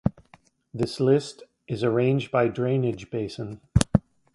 This list is arranged by drainage basin.